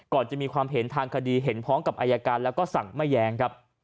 จะมีความเห็นทางคดีเห็นพ้องกับอายการแล้วก็สั่งไม่แย้งครับ